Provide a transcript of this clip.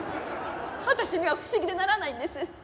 私には不思議でならないんです。